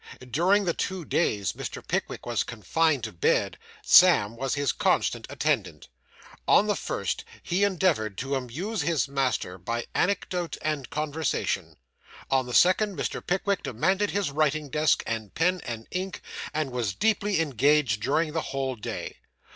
During the two days Mr. Pickwick was confined to bed, Sam was his constant attendant. On the first, he endeavoured to amuse his master by anecdote and conversation; on the second, Mr. Pickwick demanded his writing desk, and pen and ink, and was deeply engaged during the whole day.